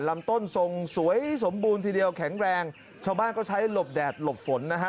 ลำต้นทรงสวยสมบูรณ์ทีเดียวแข็งแรงชาวบ้านก็ใช้หลบแดดหลบฝนนะฮะ